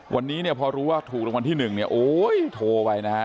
วันนี้พอรู้ว่าถูกละวันที่๑โอ้โฮโทรไปนะ